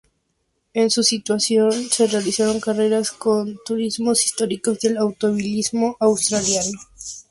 En su sustitución, se realizaron carreras con turismos históricos del automovilismo australiano.